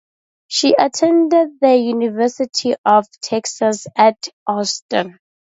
She attended the University of Texas at Austin.